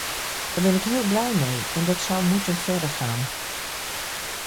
Daar ben ik heel blij mee en dat zou moeten verder gaan.